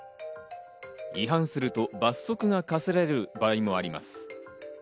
違反すると罰則が科せられる場合もあります。